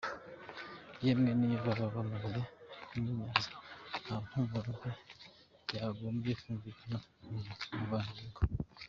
Yemwe niyo baba bamaze kumunyanza nta mpumuro mbi yagomye kumvikana mu mavangingo.